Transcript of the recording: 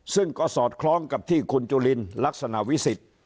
ซึ่งก็สอดคล้องกับที่คุณจุลินลักษณะวิสิทธิ์